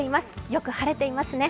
よく晴れていますね。